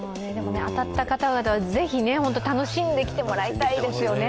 当たった方々はぜひ楽しんできてもらいたいですよね。